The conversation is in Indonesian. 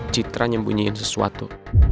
citra nyembunyiin sesuatu